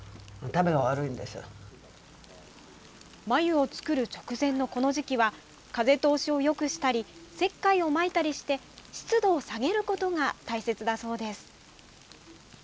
繭を作る直前のこの時期は風通しをよくしたり石灰をまいたりして湿度を下げることが大切だそうです。